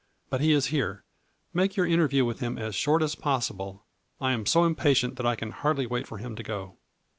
But he is here. Make your interview with him as short as possible. I am so impatient that I can hardly wait for him to go."